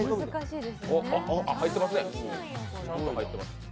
入ってますね。